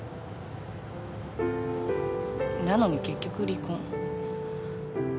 なのに結局離婚。